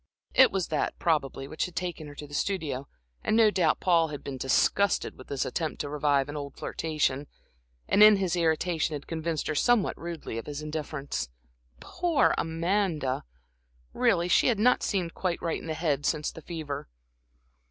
It was that, probably, which had taken her to the studio, and no doubt Paul had been disgusted with this attempt to revive an old flirtation, and in his irritation, had convinced her somewhat rudely of his indifference. Poor Amanda! Really she had not seemed quite right in the head since the fever.